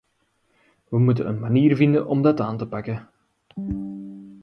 Wij moeten een manier vinden om dat aan te pakken.